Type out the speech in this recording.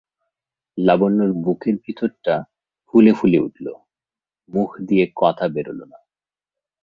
লাবণ্যর বুকের ভিতরটা ফুলে ফুলে উঠল, মুখ দিয়ে কথা বেরোল না।